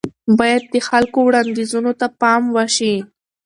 بايد د خلکو وړانديزونو ته پام وشي.